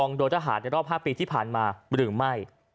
ในรอบ๕ปีที่ผ่านมาหรือไม่